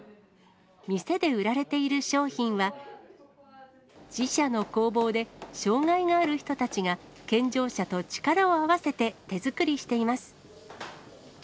店で売られている商品は、自社の工房で障がいがある人たちが健常者と力を合わせて手作りしています。